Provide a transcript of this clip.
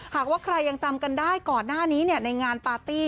หากว่าใครยังจำกันได้ก่อนหน้านี้ในงานปาร์ตี้